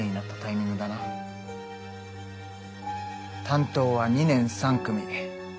担当は２年３組。